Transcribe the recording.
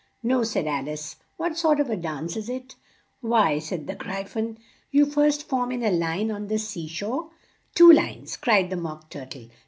"No," said Al ice. "What sort of a dance is it?" "Why," said the Gry phon, "you first form in a line on the sea shore " "Two lines!" cried the Mock Tur tle.